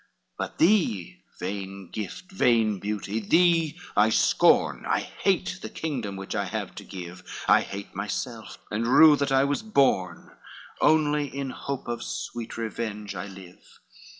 LXVI "But thee, vain gift, vain beauty, thee I scorn, I hate the kingdom which I have to give, I hate myself, and rue that I was born, Only in hope of sweet revenge I live."